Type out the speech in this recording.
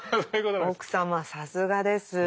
奥様さすがです。